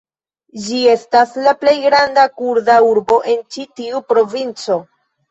Ĝi estas la plej granda kurda urbo en ĉi tiu provinco.